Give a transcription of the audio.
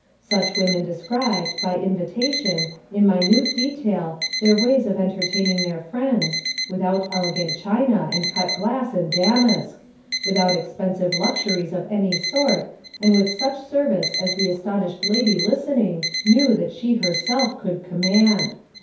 Such women described, by invitation, in minute de tail their ways of entertaining their friends, without elegant china, and cut glass and dam ask; without expensive luxuries of any sort, and with such service as the astonished lady listen ing knew that she herself could command.